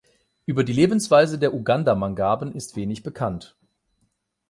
Über die Lebensweise der Uganda-Mangaben ist wenig bekannt.